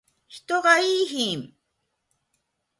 人がいーひん